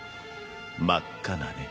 真っ赤なね。